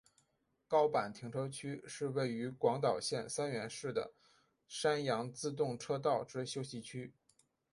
高坂停车区是位于广岛县三原市的山阳自动车道之休息区。